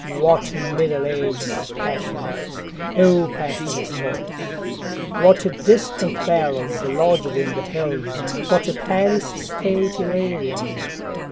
What Middle Ages passionate,O passionless voice! What distant bellsLodged in the hills, what palace stateIllyrian!